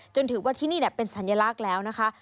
ถือว่าที่นี่เป็นสัญลักษณ์แล้วนะคะ